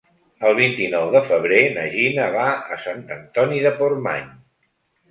El vint-i-nou de febrer na Gina va a Sant Antoni de Portmany.